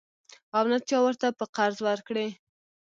او نه چا ورته په قرض ورکړې.